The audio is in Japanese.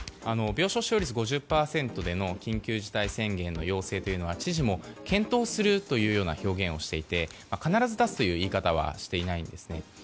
病床使用率５０％での緊急事態宣言の要請は知事も検討するという表現をしていて必ず出すという言い方はしていないんですね。